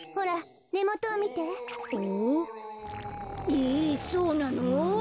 えそうなの？